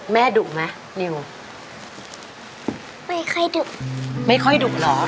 แม่ดุไหมนิวไม่ค่อยดุไม่ค่อยดุเหรอ